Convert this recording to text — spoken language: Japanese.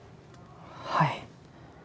はい。